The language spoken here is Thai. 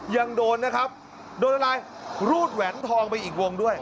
ยังโดนนะครับโดนอะไรรูดแหวนทองไปอีกวงด้วย